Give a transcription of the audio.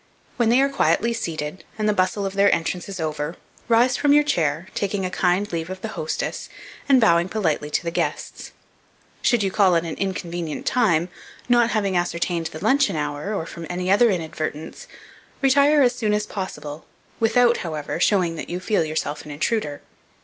When they are quietly seated, and the bustle of their entrance is over, rise from your chair, taking a kind leave of the hostess, and bowing politely to the guests. Should you call at an inconvenient time, not having ascertained the luncheon hour, or from any other inadvertence, retire as soon as possible, without, however, showing that you feel yourself an intruder.